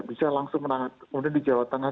bisa langsung menangan kemudian di jawa tengah